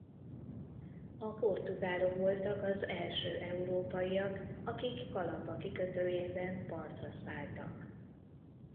A portugálok voltak az első európaiak akik Kalapa kikötőjében partra szálltak.